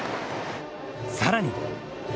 さらに！